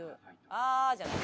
「あーっ！」じゃない。